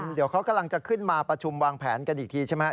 เดี๋ยวเขากำลังจะขึ้นมาประชุมวางแผนกันอีกทีใช่ไหม